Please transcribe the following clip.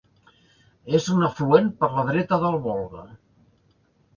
És un afluent per la dreta del Volga.